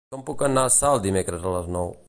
Com puc anar a Salt dimecres a les nou?